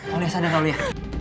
aulia sadar aulia